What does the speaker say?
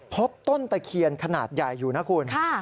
พบต้นตะเคียนขนาดใหญ่อยู่นะคุณ